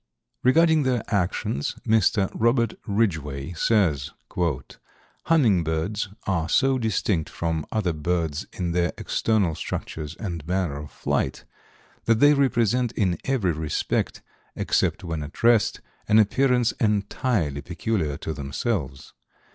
Regarding their actions, Mr. Robert Ridgway says: "Hummingbirds are so distinct from other birds in their external structures and manner of flight that they present in every respect, except when at rest, an appearance entirely peculiar to themselves.